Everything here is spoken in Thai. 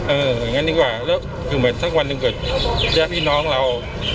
อย่างนั้นดีกว่าแล้วคือเหมือนสักวันหนึ่งเกิดญาติพี่น้องเรา